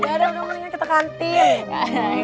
ya udah udah mendingan kita kan tim